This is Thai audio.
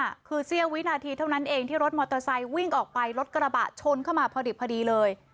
นี่คือเสี้ยววินาทีเท่านั้นเองที่รถมอเตอร์ไซค์วิ่งออกไปรถกระบะชนเข้ามาพอดีพอดีเลย